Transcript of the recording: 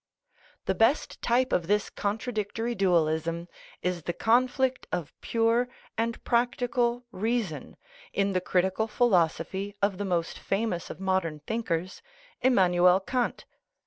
The best type of this contradictory dualism is the conflict of pure and practical reason in the critical philosophy of the most famous of modern thinkers, Immanuel Kant.